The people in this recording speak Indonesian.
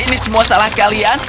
ini semua salah kalian